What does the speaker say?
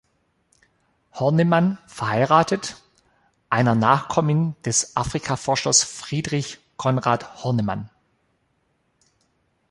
Hornemann, verheiratet, einer Nachkommin des Afrikaforschers Friedrich Konrad Hornemann.